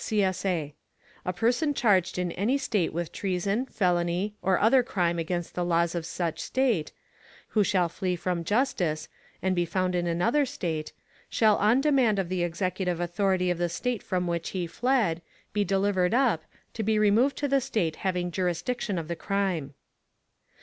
[CSA] A person charged in any State with treason, felony, or other crime against the laws of such State, who shall flee from justice, and be found in another State, shall on demand of the Executive authority of the State from which he fled, be delivered up, to be removed to the State having jurisdiction of the crime.